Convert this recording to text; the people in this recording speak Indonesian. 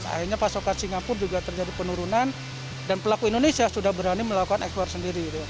akhirnya pasokan singapura juga terjadi penurunan dan pelaku indonesia sudah berani melakukan ekspor sendiri